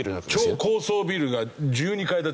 超高層ビルが１２階建てなんだけど。